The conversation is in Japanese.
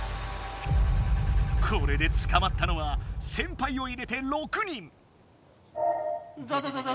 これでつかまったのは先輩を入れて６人。